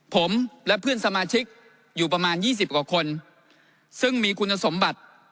ผมและเพื่อนสมาชิกอยู่ประมาณยี่สิบกว่าคนซึ่งมีคุณสมบัติ